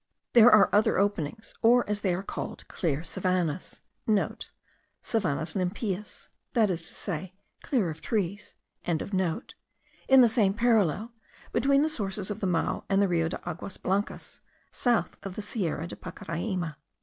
There are other openings, or as they are called, clear savannahs,* (* Savannas limpias, that is to say, clear of trees.) in the same parallel, between the sources of the Mao and the Rio de Aguas Blancas, south of the Sierra de Pacaraima.